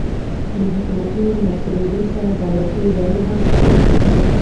د حکومتونو نسکورېدو سره دولتي ادارې هم سقوط کیږي